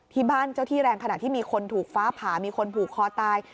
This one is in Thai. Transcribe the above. ที่บ้านเจ้าที่แรงขนาดที่มีคนถูกฟ้าผ่ามีคนผูกคอตาย